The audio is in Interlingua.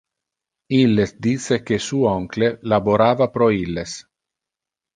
Illes dice que su oncle laborava pro illes.